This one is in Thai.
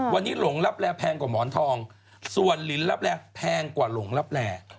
วันนี้หลงรับแร่แพงกว่าหมอนทองส่วนลินรับแร่แพงกว่าหลงรับแร่